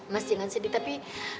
mas jangan sedih tapi